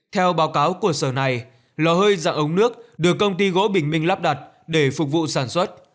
theo báo cáo của sở này lò hơi dạng ống nước được công ty gỗ bình minh lắp đặt để phục vụ sản xuất